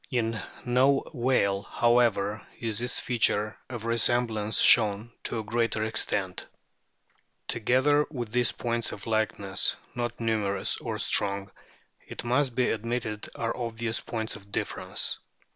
In no whale, however, is this feature of resemblance shown to a greater extent. (PI. I., fig. 3, p. 9.) Together with these points of likeness, not numerous or strong, it must be admitted, are obvious points of difference.